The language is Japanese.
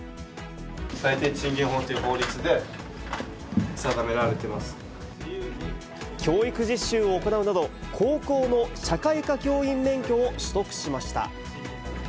最低賃金法という法律で定め教育実習を行うなど、高校の社会科教員免許を取得しました。